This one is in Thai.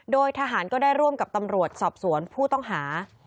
โดยทหารก็ได้ร่วมกับตำรวจสอบสวนผู้ต้องหา